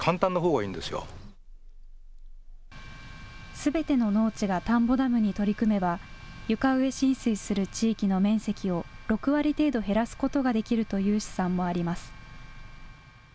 すべての農地が田んぼダムに取り組めば床上浸水する地域の面積を６割程度、減らすことができるという試算もあります。